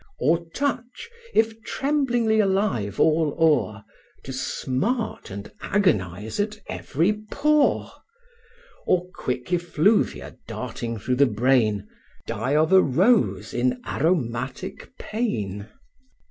Or touch, if tremblingly alive all o'er, To smart and agonize at every pore? Or quick effluvia darting through the brain, Die of a rose in aromatic pain?